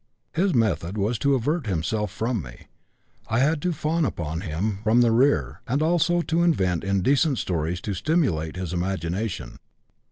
His method was to avert himself from me; I had to fawn upon him from the rear and also to invent indecent stories to stimulate his imagination.